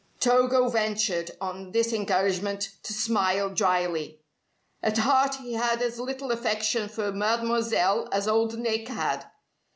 Togo ventured, on this encouragement, to smile dryly. At heart he had as little affection for Mademoiselle as Old Nick had.